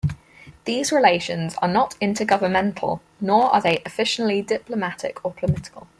These relations are not inter-governmental nor are they officially diplomatic or political.